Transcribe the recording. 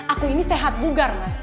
aku ini sehat bugar mas